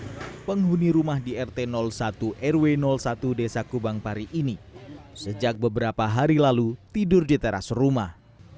hai penghuni rumah di rt satu rw satu desa kubangpari ini sejak beberapa hari lalu tidur di teras rumah